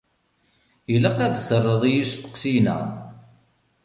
Ilaq ad d-terreḍ i yisteqsiyen-a.